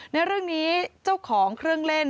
ในเรื่องนี้เจ้าของเครื่องเล่น